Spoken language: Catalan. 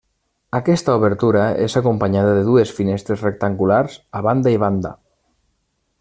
Aquesta obertura és acompanyada de dues finestres rectangulars a banda i banda.